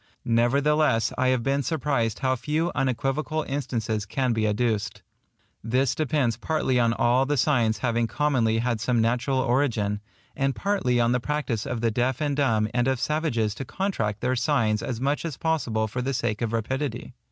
Nevertheless I have been surprised how few unequivocal instances can be adduced. This depends partly on all the signs having commonly had some natural origin; and partly on the practice of the deaf and dumb and of savages to contract their signs as much as possible for the sake of rapidity.